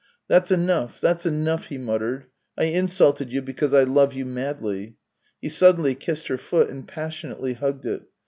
" That's enough; that's enough," he muttered. " I insulted you because I love you madly." He suddenly kissed her foot and passionately hugged it.